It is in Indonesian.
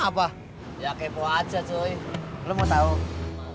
emangnya airnya selesai cuma di kiosk